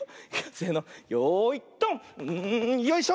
んよいしょ！